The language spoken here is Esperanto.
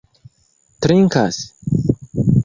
trinkas